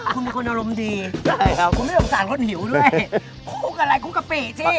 คุณมีคนอารมณ์ดีคุณไม่ต้องสารคนหิวด้วยคุกอะไรคุกกะปิสิ